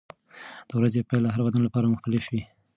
د ورځې پیل د هر بدن لپاره مختلف وي.